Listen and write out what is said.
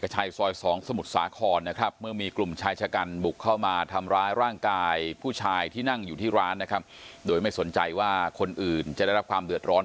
เอกชายซอยสองสมุทรสาครนะครับเมื่อมีกลุ่มชายฉกัญบุกเข้ามาทำร้ายร่างกายผู้ชายที่นั่งอยู่ที่ร้านนะครับโดยไม่สนใจว่าคนอื่นจะได้รับความเดือดร้อน